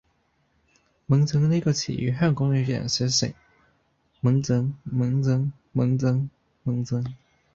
𤷪𤺧 呢個詞語，香港有人寫成：忟憎，憫憎 ，𤷪𤺧，𢛴 憎